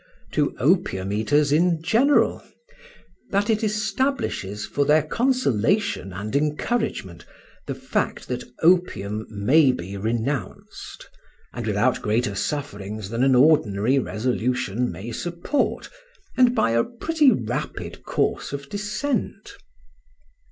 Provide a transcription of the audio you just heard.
to opium eaters in general, that it establishes, for their consolation and encouragement, the fact that opium may be renounced, and without greater sufferings than an ordinary resolution may support, and by a pretty rapid course of descent.